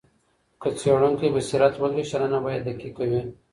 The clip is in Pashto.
که څېړونکی بصیرت ولري شننه به یې دقیقه وي.